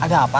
ada apa pak